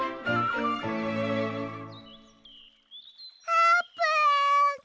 あーぷん！